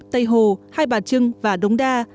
tây hồ hai bà trưng và đống đa